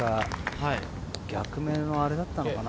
逆目のアレだったのかな。